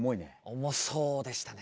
重そうでしたね。ね。